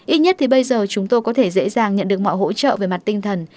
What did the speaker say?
ít nhất thì bây giờ chúng tôi có thể dễ dàng nhận được mọi hỗ trợ về mặt tinh thần